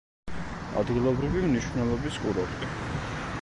ადგილობრივი მნიშვნელობის კურორტი.